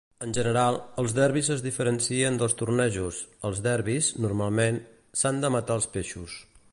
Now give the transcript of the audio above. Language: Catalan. En general, els derbis es diferencien dels tornejos; als derbis, normalment, s'han de matar els peixos.